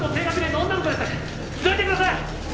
どいてください！